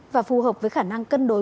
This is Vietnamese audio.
và phù hợp với khả năng cân đối